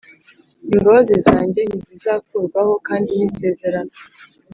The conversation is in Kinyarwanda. Imbabazi zanjye ntizizakurwaho kandi n isezerano